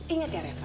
ingat ya reva